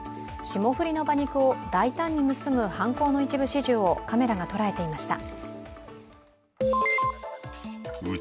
霜降りの馬肉を大胆に盗む犯行の一部始終をカメラが捉えていました。